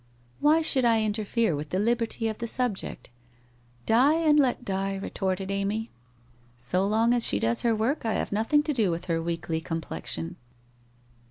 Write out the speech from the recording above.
1 Why should I interfere with the liberty of the sub ject ?" Dye and let dye," ' retorted Amy. ' So long as she does her work, I have nothing to do with her weekly complexion.'